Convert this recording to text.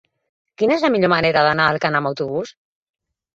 Quina és la millor manera d'anar a Alcanar amb autobús?